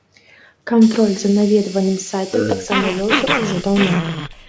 Кантроль за наведваннем сайтаў таксама вёўся ўжо даўно.